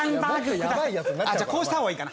じゃあこうしたほうがいいかな。